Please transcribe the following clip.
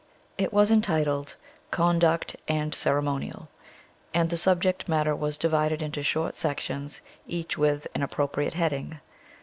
It was entitled Conduct and Ceremonial, and the subject matter was divided into short sections, each with an appropriate heading.